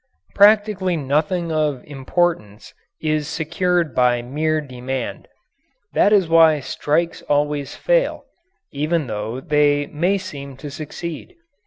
Practically nothing of importance is secured by mere demand. That is why strikes always fail even though they may seem to succeed.